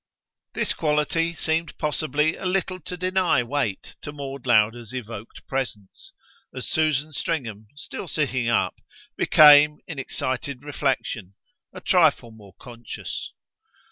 This quality in it seemed possibly a little to deny weight to Maud Lowder's evoked presence as Susan Stringham, still sitting up, became, in excited reflexion, a trifle more conscious.